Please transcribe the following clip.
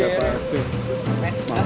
maafkan saya pak ren